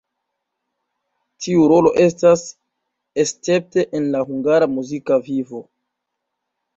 Tiu rolo estas escepte en la hungara muzika vivo.